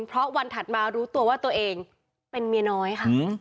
เพราะวันถัดมารู้ตัวว่าตัวเองเป็นเมียน้อยค่ะ